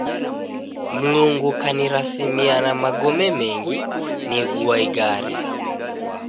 Mlungu kanirasimia na magome mengi nigua igare.